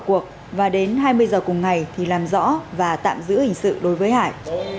cuộc và đến hai mươi giờ cùng ngày thì làm rõ và tạm giữ hình sự đối với hải